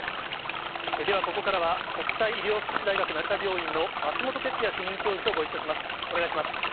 ではここからは、国際医療福祉大学成田病院の松本哲也主任教授とご一緒します。